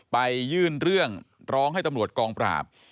ไปยื่นเรื่องร้องให้ตำรวจกองปราบ